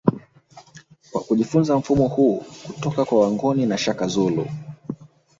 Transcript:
Kwa kujifunza mfumo huu kutoka kwa Wangoni na Shaka Zulu